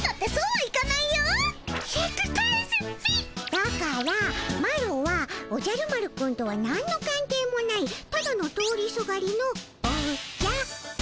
だからマロはおじゃる丸くんとはなんのかん係もないただの通りすがりのおじゃる子ちゃん。